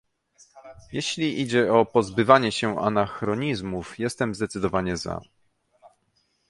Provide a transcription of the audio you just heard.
Jeśli idzie o pozbywanie się anachronizmów, jestem zdecydowanie za